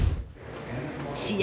試合